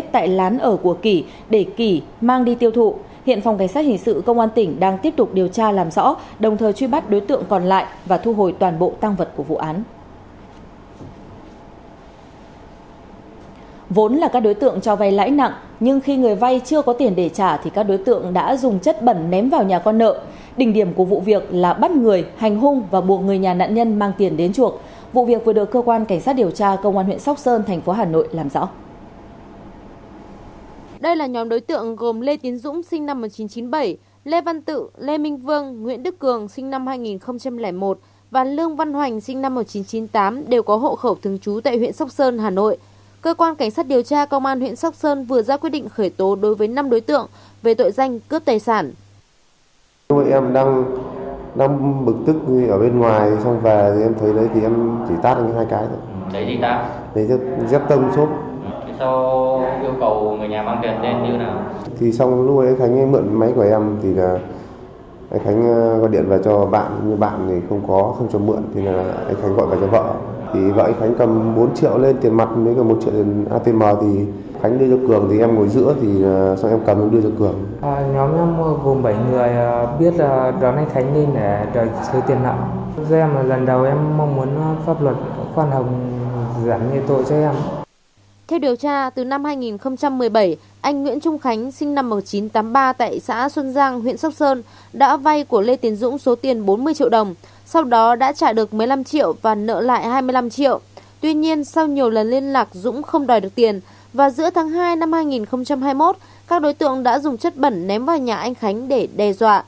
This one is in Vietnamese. tuy nhiên sau nhiều lần liên lạc dũng không đòi được tiền và giữa tháng hai năm hai nghìn hai mươi một các đối tượng đã dùng chất bẩn ném vào nhà anh khánh để đe dọa